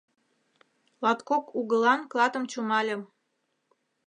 Латкок угылан клатым чумальым.